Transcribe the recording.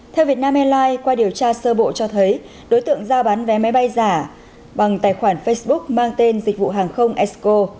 theo vietnam airlines qua điều tra sơ bộ cho thấy đối tượng giao bán vé máy bay giả bằng tài khoản facebook mang tên dịch vụ hàng không exco